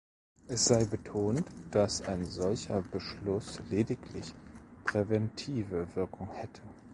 Es sei betont, dass ein solcher Beschluss lediglich präventive Wirkung hätte.